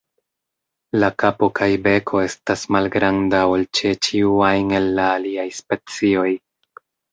La kapo kaj beko estas malgranda ol ĉe ĉiu ajn el la aliaj specioj.